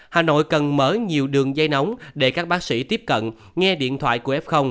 hà nội cần mở nhiều đường dây nóng để các bác sĩ tiếp cận nghe điện thoại của f